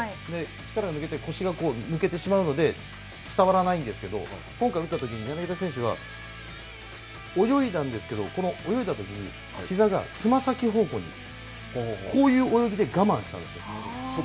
力が抜けて、腰がこう抜けてしまうので伝わらないんですけど、今回打ったときに柳田選手は泳いだんですけど、この泳いだときにひざが、つま先方向に、こういう泳ぎで我慢したんですよ。